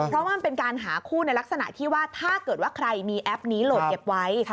เพราะว่ามันเป็นการหาคู่ในลักษณะที่ว่าถ้าเกิดว่าใครมีแอปนี้โหลดเก็บไว้